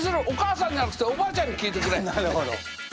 お母さんじゃなくておばあちゃんに聞いてくれ！